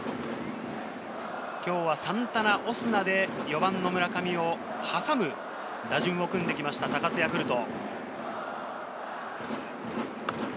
今日はサンタナ、オスナで４番の村上を挟む打順を組んできました、高津ヤクルト。